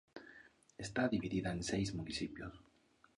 Está dividida en seis municipios.